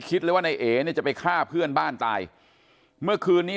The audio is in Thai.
เลยว่านายเอ๋เนี่ยจะไปฆ่าเพื่อนบ้านตายเมื่อคืนนี้